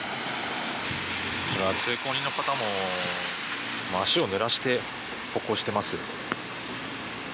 通行人の方も足を濡らして歩行しています。